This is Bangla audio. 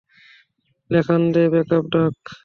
লোখান্দে, ব্যাকআপ ডাক!